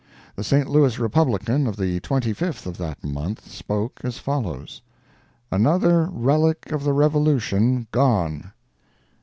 The St. Louis Republican of the 25th of that month spoke as follows: "ANOTHER RELIC OF THE REVOLUTION GONE."